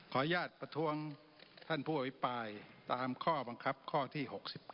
อนุญาตประท้วงท่านผู้อภิปรายตามข้อบังคับข้อที่๖๙